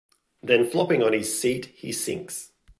Then flopping on his seat he sinks.